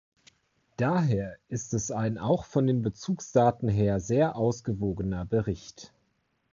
Daher ist es ein auch von den Bezugsdaten her sehr ausgewogener Bericht.